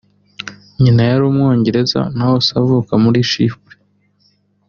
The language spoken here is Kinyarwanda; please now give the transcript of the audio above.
nyina yari Umwongereza naho se avuka muri Chypre